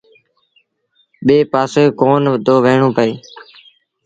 ٻي پآسي ڪونا دو وهيڻو پئي۔